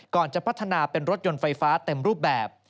ก่อนจะพัฒนาเป็นรถยนต์ไฟฟ้าเต็มรูปแบบ